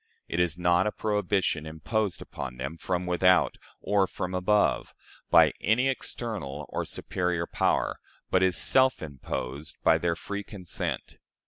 It is not a prohibition imposed upon them from without, or from above, by any external or superior power, but is self imposed by their free consent.